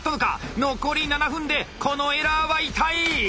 残り７分でこのエラーは痛い！